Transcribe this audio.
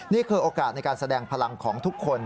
นี่คือโอกาสในการแสดงพลังของทุกคน